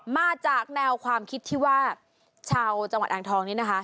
มาจากแนวความคิดที่ว่าชาวจังหวัดอ่างทองนี้นะคะ